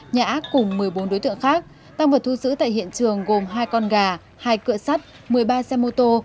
nhà ác cùng một mươi bốn đối tượng khác tăng vật thu xử tại hiện trường gồm hai con gà hai cửa sắt một mươi ba xe mô tô